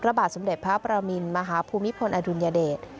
ระบาดสำเด็จพระประวัมิณมหาภูมิพนธ์อดุญเดต